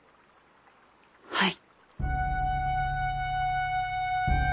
はい。